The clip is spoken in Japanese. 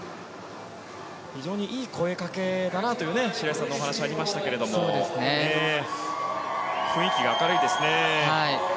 非常にいい声かけだなという白井さんのお話がありましたが雰囲気が明るいですね。